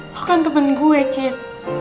lo kan temen gue cik